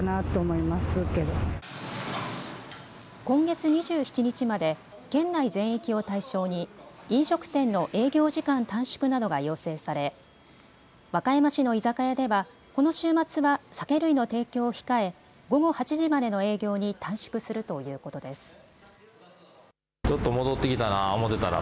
今月２７日まで県内全域を対象に飲食店の営業時間短縮などが要請され和歌山市の居酒屋ではこの週末は酒類の提供を控え午後８時までの影響に短縮するということです。